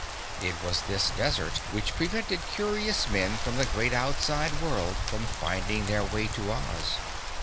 It was this desert which prevented curious men from the great outside world from finding their way to Oz.